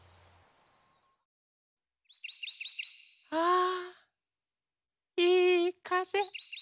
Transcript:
あいいかぜ。